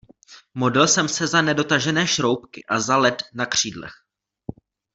Modlil jsem se za nedotažené šroubky a za led na křídlech.